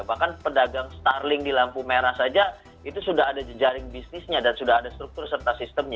bahkan pedagang starling di lampu merah saja itu sudah ada jejaring bisnisnya dan sudah ada struktur serta sistemnya